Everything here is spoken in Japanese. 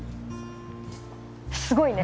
すごいね。